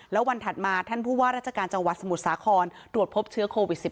แล้ววันถัดมาท่านผู้ว่าราชการจังหวัดสมุทรสาครตรวจพบเชื้อโควิด๑๙